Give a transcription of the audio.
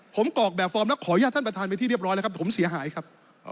ผมกรอกแบบฟอร์มแล้วขออนุญาตท่านประธานไปที่เรียบร้อยแล้วครับผมเสียหายครับ